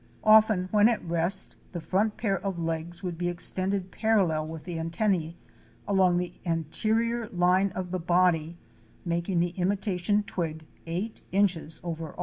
Often when at rest the front pair of legs would be extended parallel with the antenne, along the anterior line of the body, making the imitation twig eight inches over all (Fig.